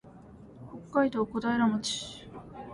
北海道小平町